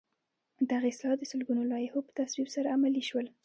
دغه اصلاحات د سلګونو لایحو په تصویب سره عملي شول.